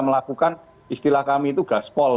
melakukan istilah kami itu gaspol